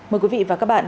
mời quý vị và các bạn